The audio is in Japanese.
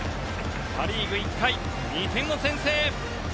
パ・リーグ１回、２点を先制！